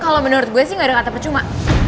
kalau menurut gue sih gak ada kata percuma